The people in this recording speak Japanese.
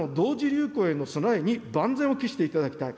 流行への備えに万全を期していただきたい。